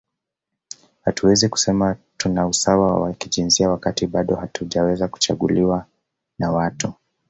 Hatuwezi kusema tuna usawa wa kijinsia wakati bado hatujaweza kuchaguliwa na watu